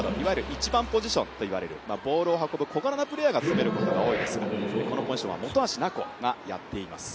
１番ポジションといわれるボールを運ぶ小柄なプレーヤーが攻めることが多いですがこのポジションは本橋菜子がやっています。